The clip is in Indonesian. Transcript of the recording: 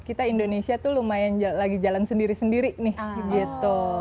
kita indonesia tuh lumayan lagi jalan sendiri sendiri nih gitu